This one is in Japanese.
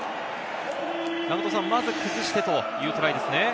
まず崩してというトライですね。